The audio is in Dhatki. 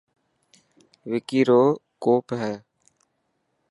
وڪي رو ڪوپ هي.